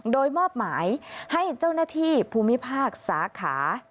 โดยมอบหมายให้เจ้าหน้าที่ภูมิภาคสาขา